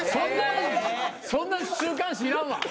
そんな週刊誌いらんわ！